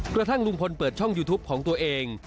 กระทั่งลุงพลเปิดช่องยูทูปของตัวเอง